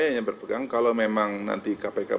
saya hanya berpegang kalau memang nanti kpk berkendak kendakan itu